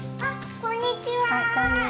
こんにちは。